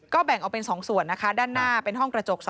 แบ่งออกเป็น๒ส่วนนะคะด้านหน้าเป็นห้องกระจก๒